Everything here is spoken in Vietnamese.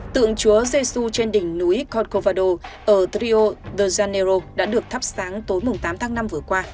tượng chúa giê xu trên đỉnh núi conkovado ở drio de janeiro đã được thắp sáng tối tám tháng năm vừa qua